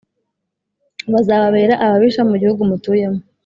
Bazababera ababisha mu gihugu mutuyemo